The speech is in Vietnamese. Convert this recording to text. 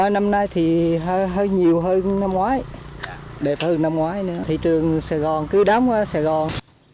năm nay thì hơi nhiều hơn năm ngoái đẹp hơn năm ngoái thị trường sài gòn cứ đám qua sài gòn